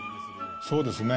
そうですね。